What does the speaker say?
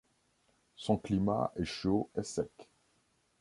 Son climat est chaud et sec.